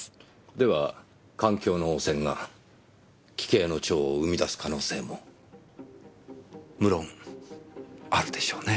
では環境の汚染が奇形の蝶を生み出す可能性も無論あるでしょうね。